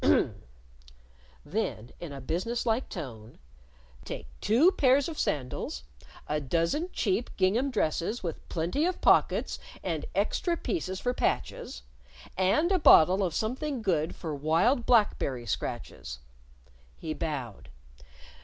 "Hm! Hm!" Then, in a business like tone; "_Take two pairs of sandals, a dozen cheap gingham dresses with plenty of pockets and extra pieces for patches, and a bottle of something good for wild black berry scratches_." He bowed.